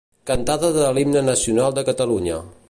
Cantada de l'himne Nacional de Catalunya.